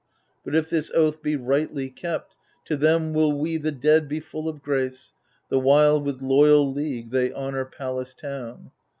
But if this oath be rightly kept, to them Will we the dead be full of grace, the while With loyal league they honour Pallas' town.